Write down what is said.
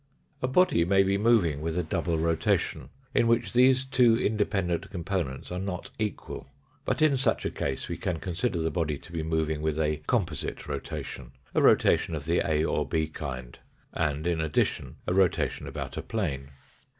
A body may be moving with a double rotation, in which these two independent com ponents are not equal ; but in such a case we can consider the body to be moving with a composite rotation a rotation of the A or B kind and, in addition, a rotation about a plane.